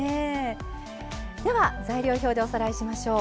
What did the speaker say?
材料表でおさらいしましょう。